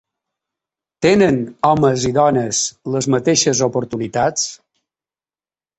Tenen homes i dones les mateixes oportunitats?